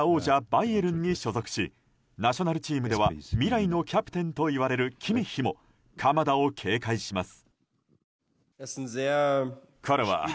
バイエルンに所属しナショナルチームでは未来のキャプテンといわれるキミッヒも鎌田を警戒します。